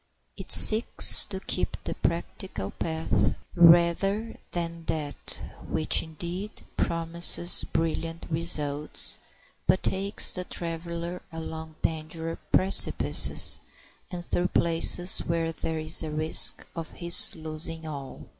It seeks to keep the practical path rather than that which, indeed, promises brilliant results, but takes the traveler along dangerous precipices and through places where there is a risk of his losing all.